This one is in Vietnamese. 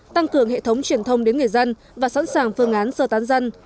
tăng cường hệ thống truyền thông đến người dân và sẵn sàng phương án sơ tán dân